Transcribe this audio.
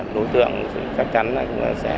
đối tượng chắc chắn sẽ